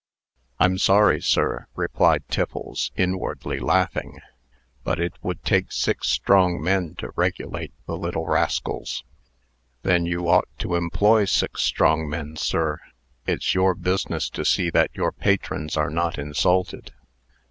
"I'm sorry, sir," replied Tiffles, inwardly laughing, "but it would take six strong men to regulate the little rascals." "Then you ought to employ six strong men, sir. It's your business to see that your patrons are not insulted."